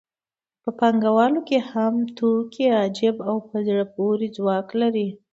په پانګوالۍ کې هم توکي عجیب او په زړه پورې ځواک لري